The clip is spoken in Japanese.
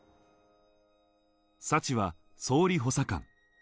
サチは総理補佐官。